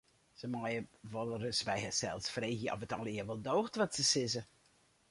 Se meie wolris by harsels freegje oft it allegearre wol doocht wat se sizze.